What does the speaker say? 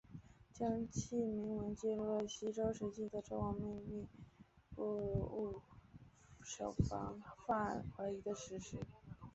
青铜器铭文记录了西周时代的周王命令录伯戍守防范淮夷的史实。